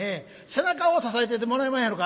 背中を支えててもらえまへんやろか」。